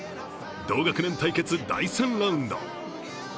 同学年対決第３ラウンド。